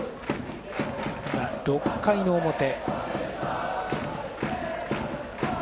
今、６回の表。